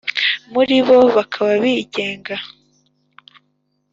muri bo bakaba bigenga